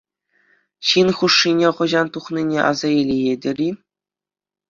Ҫын хушшине хӑҫан тухнине аса илеетӗр-и?